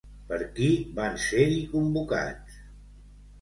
Per qui van ser-hi convocats?